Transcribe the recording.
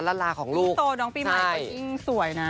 ลาลาของลูกโตน้องปีใหม่ก็ยิ่งสวยนะ